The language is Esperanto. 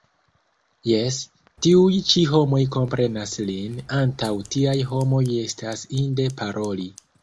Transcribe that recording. Jes, tiuj ĉi homoj komprenas lin, antaŭ tiaj homoj estas inde paroli.